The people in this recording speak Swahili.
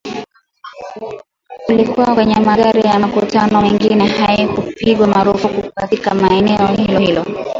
ulikuwa kwenye magari na mikutano mingine haikupigwa marufuku katika eneo hilo hilo